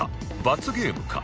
罰ゲームか？